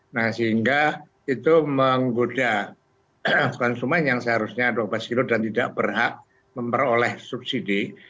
nah sehingga itu menggoda konsumen yang seharusnya dua belas kg dan tidak berhak memperoleh subsidi